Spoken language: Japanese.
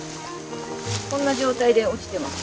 こんな状態で落ちてます。